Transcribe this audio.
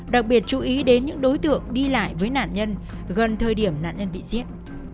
đặc biệt chú ý đến những đối tượng đi lại với nạn nhân gần thời điểm nạn nhân bị giết